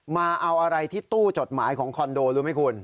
มาเอาอะไรที่ตู้จดหมายของคอนโดรู้ไหมคุณ